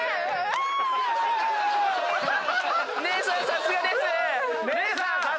さすがです。